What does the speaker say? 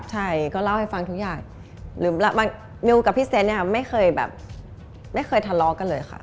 ใช่ก็เล่าให้ฟังทุกอย่างมิวกับพี่เซตเนี่ยไม่เคยแบบไม่เคยทะเลาะกันเลยค่ะ